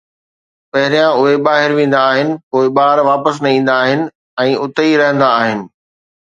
پهريان اهي ٻاهر ويندا آهن، پوءِ ٻار واپس نه ايندا آهن ۽ اتي ئي رهندا آهن